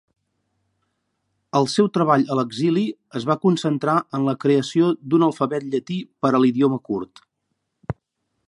El seu treball a l'exili es va concentrar en la creació d'un alfabet llatí per a l'idioma kurd.